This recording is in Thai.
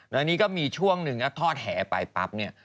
และนี่ก็มีช่วงนึงนะทอดแห่ไปปั๊ปนี่